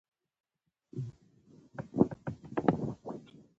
دا څرګنده ده چې دغو خپلسرو پاچاهانو له خپل رعیت مالیه اخیستله.